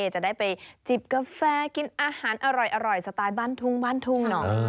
จะได้ไปจิบกาแฟกินอาหารอร่อยสไตล์บ้านทุ่งบ้านทุ่งหน่อย